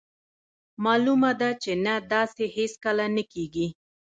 مالومه ده چې نه داسې هیڅکله نه کیږي.